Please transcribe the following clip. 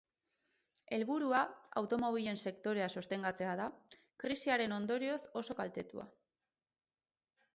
Helburua, automobilen sektorea sostengatzea da, krisiaren ondorioz oso kaltetua.